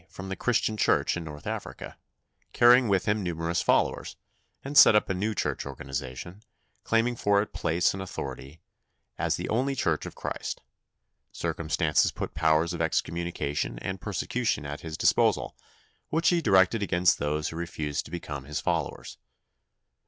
from the Christian Church in North Africa, carrying with him numerous followers, and set up a new church organisation, claiming for it place and authority as the only Church of Christ. Circumstances put powers of excommunication and persecution at his disposal, which he directed against those who refused to become his followers.